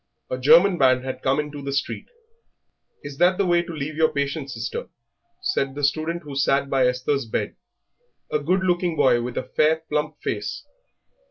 A German band had come into the street. "Is that the way to leave your patient, sister?" said the student who sat by Esther's bed, a good looking boy with a fair, plump face.